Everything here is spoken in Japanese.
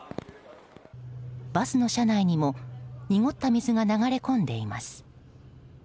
バスの車内にも濁った水が流れ込んでいます。